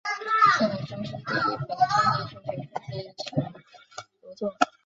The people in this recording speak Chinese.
这本书是第一本现代数学分析学着作。